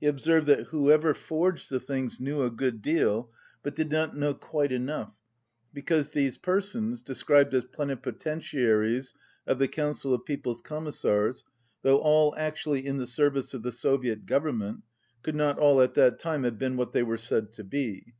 He observed that whoever 179 forged the things knew a good deal, but did not know quite enough, because these persons, de scribed as "plenipotentiaries of the Council of Peoples' Commissars," though all actually in the service of the Soviet Government, could not all, at that time, have been what they were said to be.